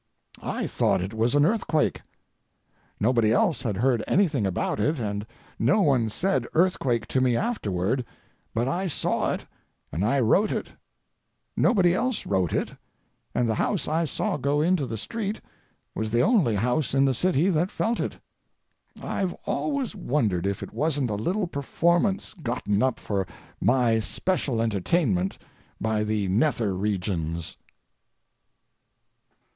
I thought it was an earthquake. Nobody else had heard anything about it and no one said earthquake to me afterward, but I saw it and I wrote it. Nobody else wrote it, and the house I saw go into the street was the only house in the city that felt it. I've always wondered if it wasn't a little performance gotten up for my especial entertainment by the nether regions.